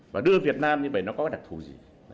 và đưa việt nam như vậy nó có đặc thù gì